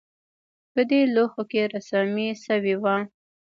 په دې لوښو کې رسامي شوې وه